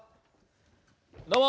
どうも。